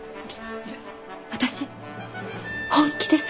私本気です。